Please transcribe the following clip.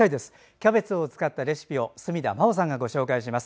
キャベツを使ったレシピを角田真秀さんがご紹介します。